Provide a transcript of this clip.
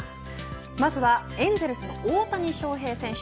まずはエンゼルスの大谷翔平選手